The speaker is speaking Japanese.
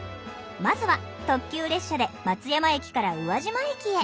まずは特急列車で松山駅から宇和島駅へ。